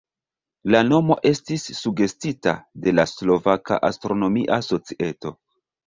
La nomo estis sugestita de la Slovaka Astronomia Societo.